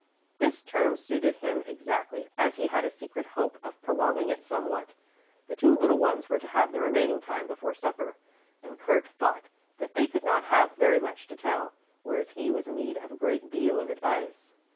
This term suited him exactly, as he had a secret hope of prolonging it somewhat. The two little ones were to have the remaining time before supper, and Kurt thought that they could not have very much to tell, whereas he was in need of a great deal of advice.